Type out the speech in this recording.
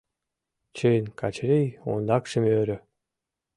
Чын, Качырий ондакшым ӧрӧ.